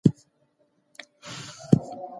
که کمپيوټر پوهنه په کلیو کي دود شي، شعور زیاتېږي.